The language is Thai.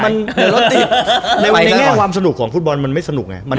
ในแง่ว่ามสนุกของฟุตบอลมันไม่สนุกไง